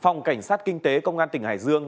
phòng cảnh sát kinh tế công an tỉnh hải dương